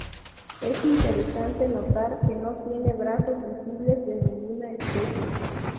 Es interesante notar que no tiene brazos visibles de ninguna especie.